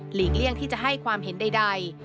เลี่ยงที่จะให้ความเห็นใด